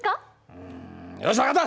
うん。よし分かった！